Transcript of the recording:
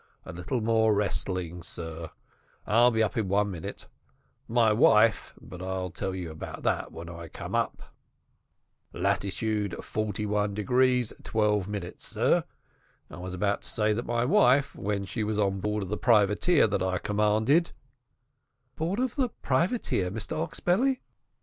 A little more westing, sir. I'll be up in one minute. My wife but I'll tell you about that when I come up. "Latitude 41 degrees 12 minutes, sir. I was about to say that my wife, when she was on board of the privateer that I commanded " "Board of the privateer, Mr Oxbelly?"